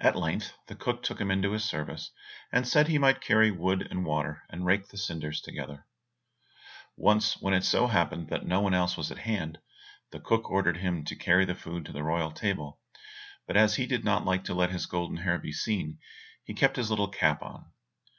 At length the cook took him into his service, and said he might carry wood and water, and rake the cinders together. Once when it so happened that no one else was at hand, the cook ordered him to carry the food to the royal table, but as he did not like to let his golden hair be seen, he kept his little cap on.